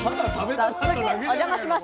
早速お邪魔します